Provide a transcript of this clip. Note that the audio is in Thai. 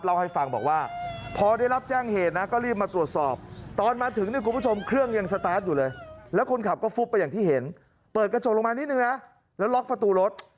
เปิดกระจกลงมานิดหนึ่งนะแล้วล็อกประตูรถ